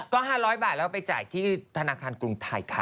ก็๕๐๐บาทแล้วไปจ่ายที่ธนาคารกรุงไทยค่ะ